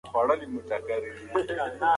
ماشوم د انا په مخ کې په وړوکو پښو ودرېد.